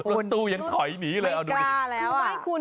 รถตู้ยังถอยหนีเลย